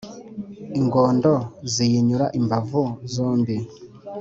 ingondo ziyinyura imbavu zombie